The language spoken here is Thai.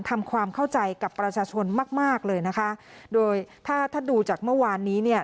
ทำความเข้าใจกับประชาชนมากมากเลยนะคะโดยถ้าถ้าดูจากเมื่อวานนี้เนี่ย